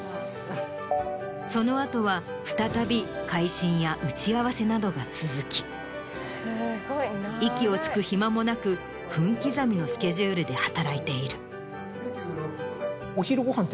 その後は再び回診や打ち合わせなどが続き息をつく暇もなく分刻みのスケジュールで働いている。